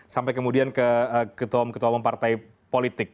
sampai kemudian ke ketua ketua mempartai politik